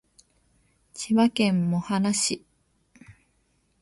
千葉県茂原市